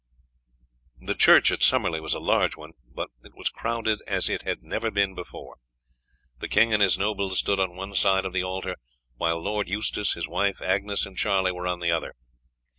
The church at Summerley was a large one, but it was crowded as it had never been before. The king and his nobles stood on one side of the altar, while Lord Eustace, his wife, Agnes, and Charlie were on the other.